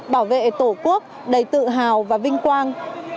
bảo vệ tổ quốc đầy tự hào và vinh quang